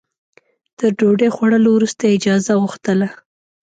تر ډوډۍ خوړلو وروسته اجازه غوښتله.